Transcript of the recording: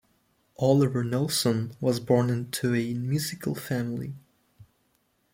Oliver Nelson was born into a musical family.